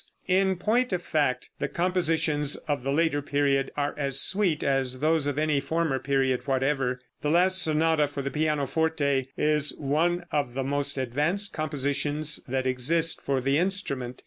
In point of fact the compositions of the later period are as sweet as those of any former period whatever. The last sonata for the pianoforte is one of the most advanced compositions that exist for the instrument.